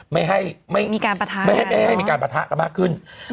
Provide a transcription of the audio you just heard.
ไม่ให้มีการปะทะกลับมากขึ้น